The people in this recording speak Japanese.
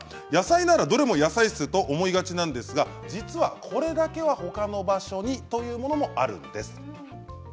野菜ならどれも野菜室と思いがちですが実はこれだけは、ほかの場所にというものもあるんです。